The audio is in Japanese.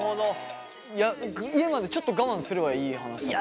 家までちょっと我慢すればいい話だもんな。